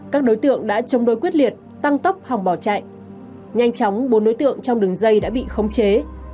các đối tượng đã chống đối quyết liệt tăng tốc hòng bỏ chạy nhanh chóng bốn đối tượng trong đường dây đã bị khống chế